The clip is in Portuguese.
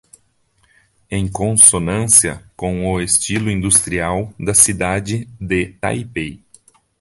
Em consonância com o estilo industrial da cidade de Taipei